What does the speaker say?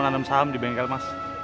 aduh malam lagi gitu